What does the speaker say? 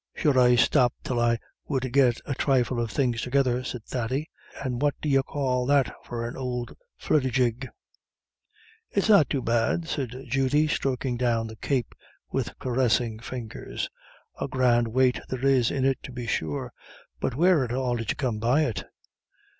"Sure, I stopped till I would get a thrifle of things together," said Thady. "And what d'you call that for an ould flitterjig?" "It's not too bad," said Judy, stroking down the cape with caressing fingers. "A grand weight there's in it, to be sure. But where at all did you come by it?